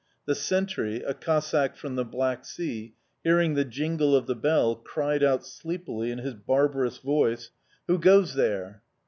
The sentry, a Cossack from the Black Sea, hearing the jingle of the bell, cried out, sleepily, in his barbarous voice, "Who goes there?"